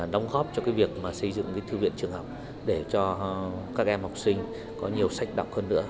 đóng góp cho việc xây dựng cái thư viện trường học để cho các em học sinh có nhiều sách đọc hơn nữa